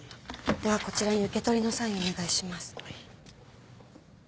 ではこちらに受け取りのサインをお願いします。